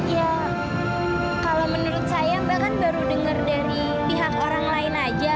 ya kalau menurut saya mbak kan baru dengar dari pihak orang lain aja